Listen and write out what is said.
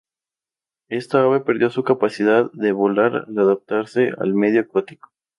Esta ave perdió su capacidad de volar al adaptarse al medio acuático.